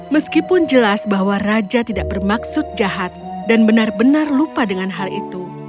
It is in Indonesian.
meskipun jelas bahwa raja tidak bermaksud jahat dan benar benar lupa dengan hal itu